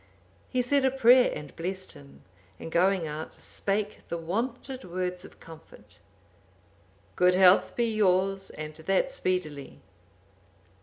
He said a prayer and blessed him, and going out, spake the wonted words of comfort, "Good health be yours and that speedily."